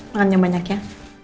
makan yang banyak ya